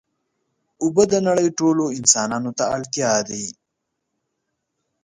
اوبه د نړۍ ټولو انسانانو ته اړتیا دي.